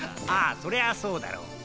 ああそりゃそうだろう。